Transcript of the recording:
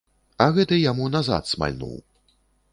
А гэты яму назад смальнуў.